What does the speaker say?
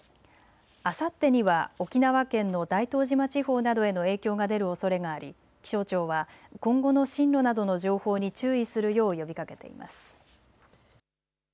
あさってには沖縄県の大東島地方などへの影響が出るおそれがあり気象庁は今後の進路などの情報に注意するよう呼びかけています。